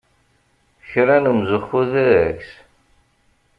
Kra n umzuxxu deg-s!